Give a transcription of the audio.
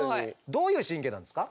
どういう神経なんですか？